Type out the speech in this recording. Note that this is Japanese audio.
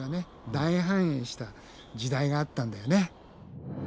大繁栄した時代があったんだよね。